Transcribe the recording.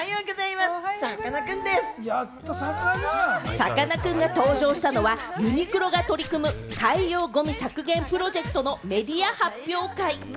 さかなクンが登場したのは、ユニクロが取り組む海洋ゴミ削減プロジェクトのメディア発表会。